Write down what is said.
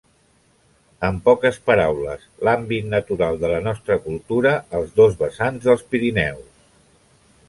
En poques paraules, l'àmbit natural de la nostra cultura als dos vessants dels Pirineus.